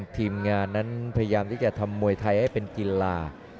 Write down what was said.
ทีมงานนั้นพยายามที่จะทำมวยไทยให้เป็นกีฬา